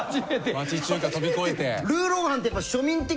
町中華飛び越えて。